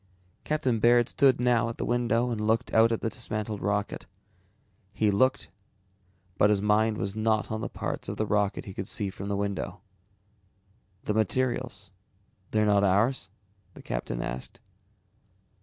Captain Baird stood now at the window and looked out at the dismantled rocket. He looked but his mind was not on the parts of the rocket he could see from the window. "The materials, they're not ours?" the captain asked.